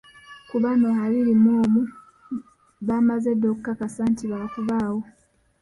Ku bano abiri mu omu baamaze dda okukakasa nti baakubaawo.